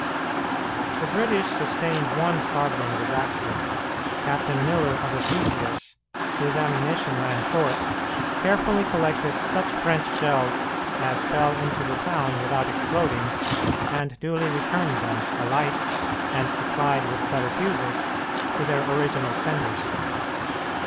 The British sustained one startling disaster. Captain Miller of the Theseus, whose ammunition ran short, carefully collected such French shells as fell into the town without exploding, and duly returned them, alight, and supplied with better fuses, to their original senders.